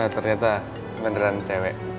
ternyata beneran cewek